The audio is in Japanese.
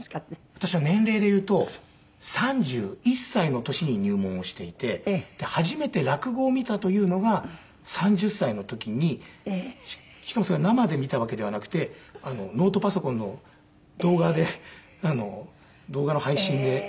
私は年齢でいうと３１歳の年に入門をしていて初めて落語を見たというのが３０歳の時にしかもそれは生で見たわけではなくてノートパソコンの動画で動画の配信で。